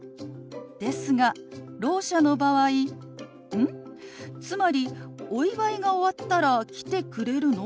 ですがろう者の場合「うん？つまりお祝いが終わったら来てくれるの？」